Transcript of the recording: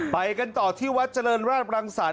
ไปกันต่อที่วัดเจริญราชพรัมศาล